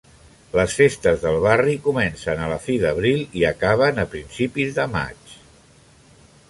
Les festes del barri comencen a la fi d'abril i acaben a principis de maig.